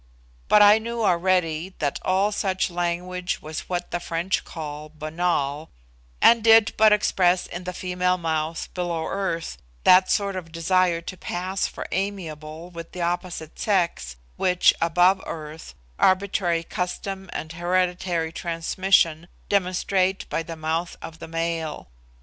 But I knew already that all such language was what the French call 'banal,' and did but express in the female mouth, below earth, that sort of desire to pass for amiable with the opposite sex which, above earth, arbitrary custom and hereditary transmission demonstrate by the mouth of the male.